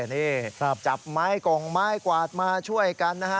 นี่จับไม้กงไม้กวาดมาช่วยกันนะฮะ